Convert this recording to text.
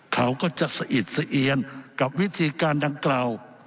เขาก็จะสะอิดสะเอียนกับวิธีการดังกล่าว